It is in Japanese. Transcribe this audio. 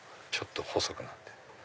ちょっと細くなってる。